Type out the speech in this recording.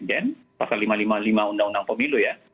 pasal lima ratus lima puluh lima undang undang pemilu ya